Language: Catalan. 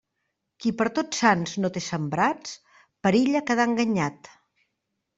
Qui per Tots Sants no té sembrats, perilla quedar enganyat.